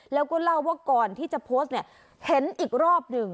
แล้วก็เล่าว่าก่อนที่จะโพสต์เนี่ยเห็นอีกรอบหนึ่ง